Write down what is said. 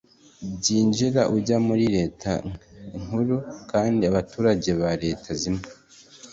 byinjira ujya muri Leta nkuru kandi abaturage ba leta zimwe